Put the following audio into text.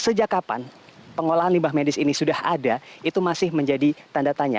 sejak kapan pengolahan limbah medis ini sudah ada itu masih menjadi tanda tanya